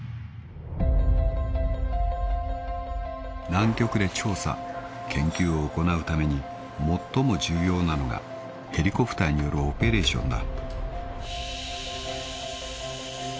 ［南極で調査・研究を行うために最も重要なのがヘリコプターによるオペレーションだ］